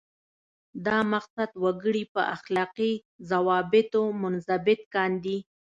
دا مقصد وګړي په اخلاقي ضوابطو منضبط کاندي.